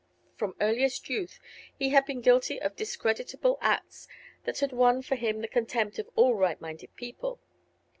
From earliest youth he had been guilty of discreditable acts that had won for him the contempt of all right minded people.